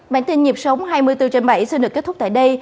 bản tin nhịp sống hai mươi bốn trên bảy xin được kết thúc tại đây